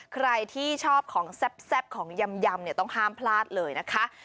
ใครที่ชอบของแซ่บของยำเนี่ยต้องห้ามพลาดเลยนะคะ